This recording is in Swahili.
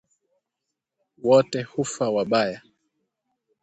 Wote hufa wabaya